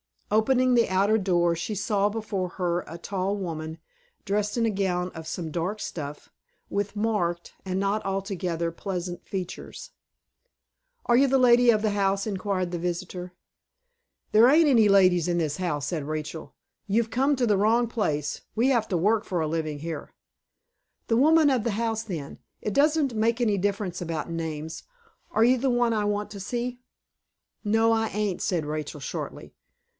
Opening the outer door, she saw before her a tall woman, dressed in a gown of some dark stuff, with marked, and not altogether pleasant features. "Are you the lady of the house?" inquired the visitor. "There ain't any ladies in this house," said Rachel. "You've come to the wrong place. We have to work for a living here." "The woman of the house, then. It doesn't make any difference about names. Are you the one I want to see?" "No, I ain't," said Rachel, shortly.